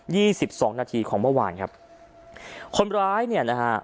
ี่สิบสองนาทีของเมื่อวานครับคนร้ายเนี่ยนะฮะ